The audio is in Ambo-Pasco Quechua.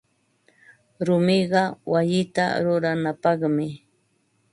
Rumiqa wayita ruranapaqmi.